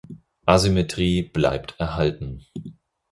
Asymmetrie bleibt erhalten.